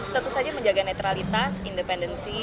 tentu saja menjaga netralitas independensi